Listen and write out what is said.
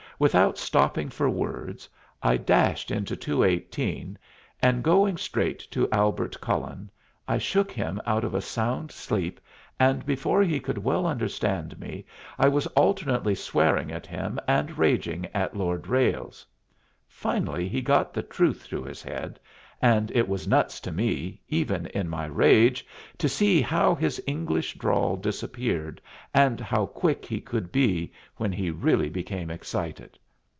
Without stopping for words, I dashed into 218, and, going straight to Albert Cullen, I shook him out of a sound sleep, and before he could well understand me I was alternately swearing at him and raging at Lord Ralles. Finally he got the truth through his head, and it was nuts to me, even in my rage, to see how his English drawl disappeared, and how quick he could be when he really became excited.